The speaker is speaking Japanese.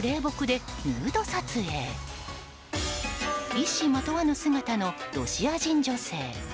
一糸まとわぬ姿のロシア人女性。